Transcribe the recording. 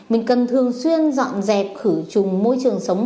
mình cần thường xuyên dọn dẹp khử trùng môi trường sống